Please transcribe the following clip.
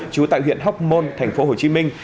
trú tại huyện hóc môn thành phố hồ chí minh